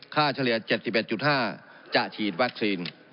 เฉลี่ย๗๑๕จะฉีดวัคซีน